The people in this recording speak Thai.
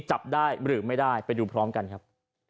หรือไม่ได้ไปดูพร้อมกันครับ